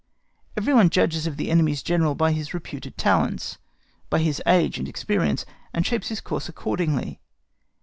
Every one judges of the enemy's General by his reputed talents, by his age and experience, and shapes his course accordingly.